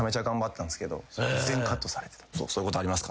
そういうことありますか？